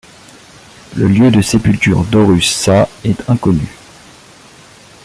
Le lieu de sépulture d'Horus Sa est inconnu.